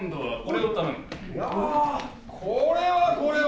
いやこれはこれは。